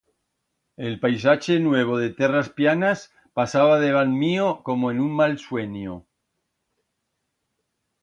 El paisache nuevo de terras pllanas pasaba debant mío como en un mal suenio.